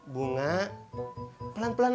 bunga pelan pelan aja